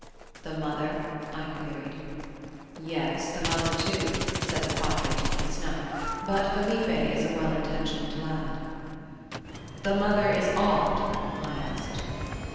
"The mother?" I queried. "Yes, the mother too," said the Padre, taking snuff. "But Felipe is a well intentioned lad." "The mother is odd?" I asked.